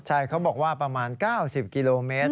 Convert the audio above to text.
ใช่เขาบอกว่าประมาณ๙๐กิโลเมตร